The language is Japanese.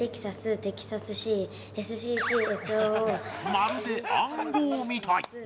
まるで暗号みたい！